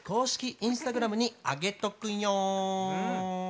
インスタグラムにあげとくよー！